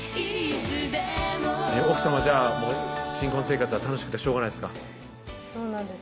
奥さまはじゃあ新婚生活は楽しくてしょうがないですかそうなんです